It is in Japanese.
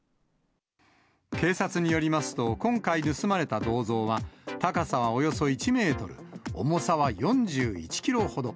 警察によりますと、今回、盗まれた銅像は、高さはおよそ１メートル、重さは４１キロほど。